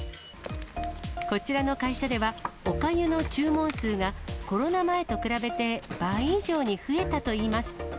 こちらの会社では、おかゆの注文数がコロナ前と比べて倍以上に増えたといいます。